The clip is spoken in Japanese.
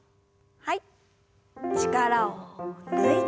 はい。